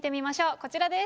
こちらです。